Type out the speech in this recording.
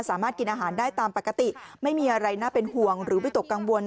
สามารถกินอาหารได้ตามปกติไม่มีอะไรน่าเป็นห่วงหรือวิตกกังวล